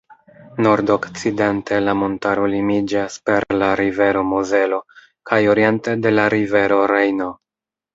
Nordokcidente la montaro limiĝas per la rivero Mozelo kaj oriente de la rivero Rejno.